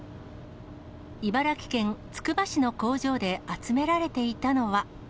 茨城県つくば市の工場で集められていたのは。